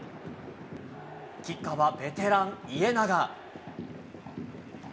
キッカーはベテラン、家長。